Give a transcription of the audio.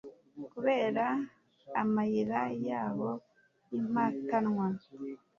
kubera amayira y'aho y'impatanwa